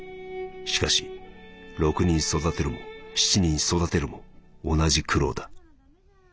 しかし六人育てるも七人育てるも同じ苦労だ』。